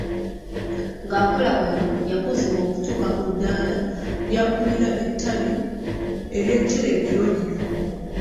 Ng'akola wano, yakuzibwa okutuuka ku ddaala ly'akulira ettabi ly'eterekero lino